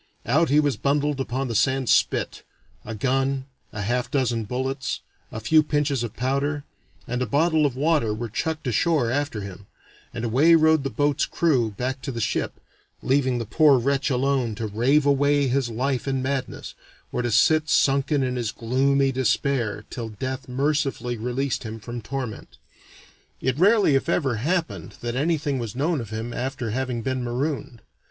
Out he was bundled upon the sand spit; a gun, a half dozen bullets, a few pinches of powder, and a bottle of water were chucked ashore after him, and away rowed the boat's crew back to the ship, leaving the poor wretch alone to rave away his life in madness, or to sit sunken in his gloomy despair till death mercifully released him from torment. It rarely if ever happened that anything was known of him after having been marooned.